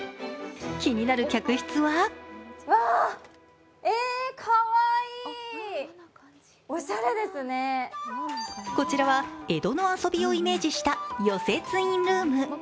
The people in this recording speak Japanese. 気になる客室はこちらは江戸の遊びをイメージした寄席ツインルーム。